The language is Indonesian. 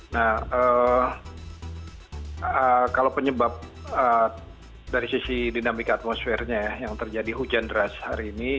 nah kalau penyebab dari sisi dinamika atmosfernya ya yang terjadi hujan deras hari ini